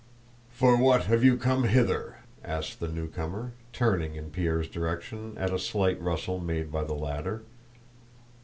"For what have you come hither?" asked the newcomer, turning in Pierre's direction at a slight rustle made by the latter.